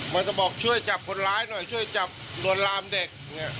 มันจะบอกช่วยจับคนร้ายหน่อยช่วยจับลวนลามเด็ก